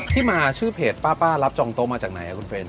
ที่มาชื่อเพจป้ารับจองโต๊ะมาจากไหนคุณเฟรน